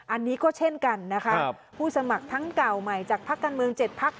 อันนี้ก็เช่นกันนะคะผู้สมัครทั้งเก่าใหม่จากพักการเมือง๗พัก